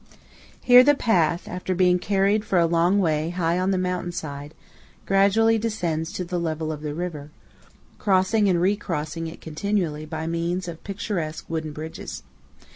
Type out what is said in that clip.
Here the path, after being carried for a long way high on the mountain side, gradually descends to the level of the river, crossing and re crossing it continually by means of picturesque wooden bridges.